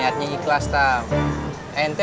baik juga ente